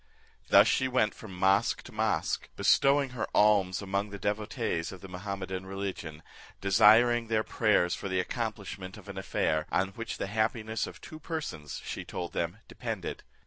Thus she went from mosque to mosque, bestowing her alms among the devotees of the Mahummedan religion, desiring their prayers for the accomplishment of an affair, on which the happiness of two persons, she told them, depended.